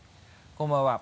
こんばんは。